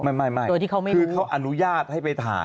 ไม่ไม่คือเขาอนุญาตให้ไปถ่าย